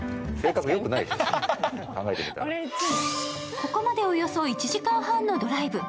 ここまでおよそ１時間半のドライブ。